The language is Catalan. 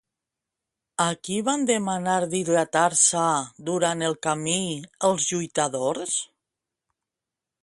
A qui van demanar d'hidratar-se durant el camí, els lluitadors?